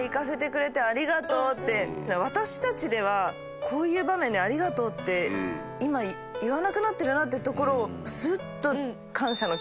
私たちではこういう場面でありがとうって今言わなくなってるなってところをスッと。